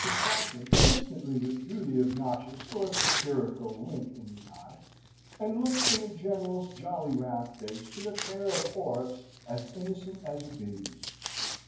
Franklin instantly withdrew the obnoxious or satirical wink in his eye, and looked in the General's jolly round face with a pair of orbs as innocent as a baby's.